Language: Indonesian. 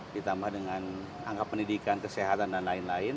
ditambah dengan angka pendidikan kesehatan dan lain lain